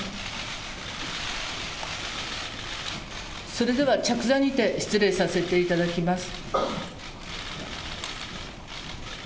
それでは着座にて失礼させていただきます。